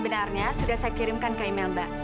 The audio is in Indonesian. oke terima kasih juga pak saya permisi dulu